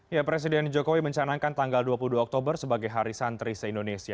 ya presiden jokowi mencanangkan tanggal dua puluh dua oktober sebagai hari santri se indonesia